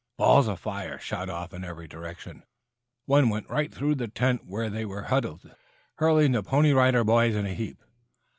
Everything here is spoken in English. Balls of fire shot off in every direction. One went right through the tent where they were huddled, hurling the Pony Rider Boys in a heap.